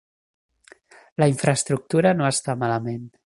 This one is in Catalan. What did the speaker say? La infraestructura no està malament.